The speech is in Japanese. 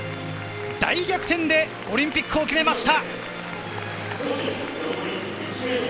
大逆転でオリンピックを決めました！